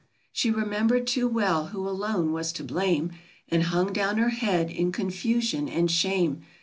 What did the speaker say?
She remembered too well who alone was to blame, And hung down her head in confusion and shame!